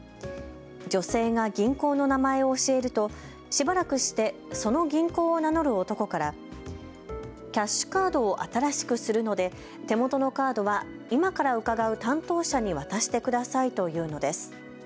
女性が銀行の名前を教えるとしばらくしてその銀行を名乗る男から、キャッシュカードを新しくするので手元のカードは今から伺う担当者に渡してくださいというのです。